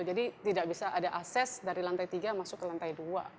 jadi tidak bisa ada akses dari lantai tiga masuk ke lantai dua